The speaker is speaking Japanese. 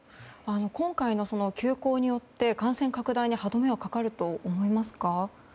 今回の休校によって感染拡大に歯止めはかかると思いますか。